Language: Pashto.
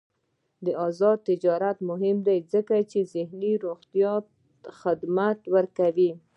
آزاد تجارت مهم دی ځکه چې ذهني روغتیا خدمات ورکوي.